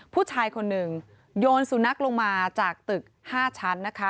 ผู้ชายคนหนึ่งโยนสุนัขลงมาจากตึก๕ชั้นนะคะ